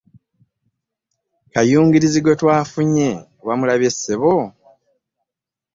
Kayungirizi gwe twafunye wamulabye ssebo?